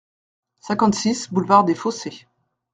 cinquante-six boulevard des Fossés